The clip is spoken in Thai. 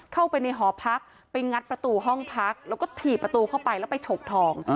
เข้าไปในหอพักไปงัดประตูห้องพักแล้วก็ถี่ประตูเข้าไปแล้วไปฉกทอง